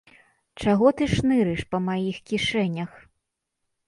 Чаго ты шнырыш па маіх кішэнях?